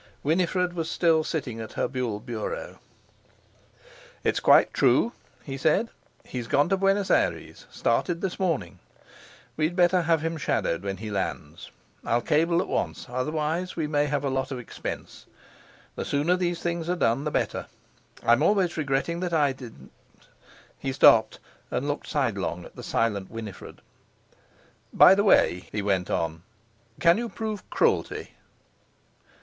Winifred was still sitting at her Buhl bureau. "It's quite true," he said; "he's gone to Buenos Aires, started this morning—we'd better have him shadowed when he lands. I'll cable at once. Otherwise we may have a lot of expense. The sooner these things are done the better. I'm always regretting that I didn't..." he stopped, and looked sidelong at the silent Winifred. "By the way," he went on, "can you prove cruelty?"